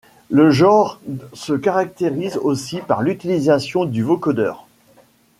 Le genre se caractérise aussi par l'utilisation du vocodeur.